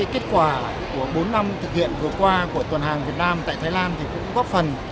kết quả của bốn năm thực hiện vừa qua của tuần hàng việt nam tại thái lan cũng góp phần